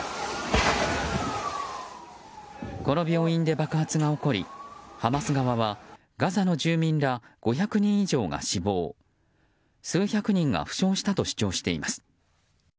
この病院で爆発が起こりハマス側はガザの住民ら５００人以上が死亡数百人が負傷したと主張しています。